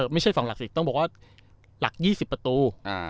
ไม่ใช่๒หลักสิต้องบอกว่าหลัก๒๐ประตู